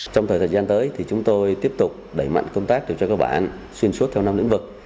trong thời thời gian tới thì chúng tôi tiếp tục đẩy mạnh công tác cho các bạn xuyên suốt theo năm lĩnh vực